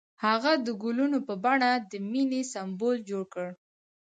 هغه د ګلونه په بڼه د مینې سمبول جوړ کړ.